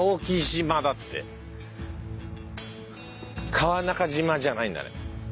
川中島じゃないんだね。